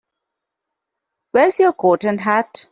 Where's your coat and hat?